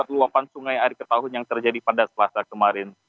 luapan sungai air ke tahun yang terjadi pada selasa kemarin